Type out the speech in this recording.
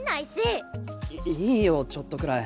いいよちょっとくらい。